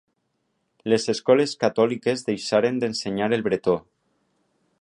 Les escoles catòliques deixaren d'ensenyar el bretó.